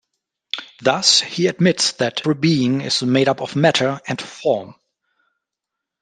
Thus he admits that every being is made up of matter and form.